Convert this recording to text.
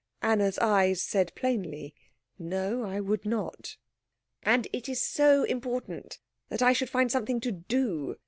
Anna's eyes said plainly, "No, I would not." "And it is so important that I should find something to do.